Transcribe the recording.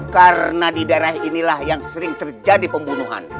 karena di daerah inilah yang sering terjadi pembunuhan